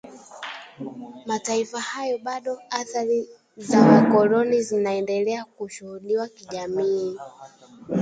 mataifa hayo bado athari za wakoloni zinaendelea kushuhudiwa kijamii